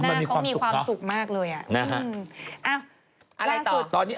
หน้าเขามีความสุขมากเลย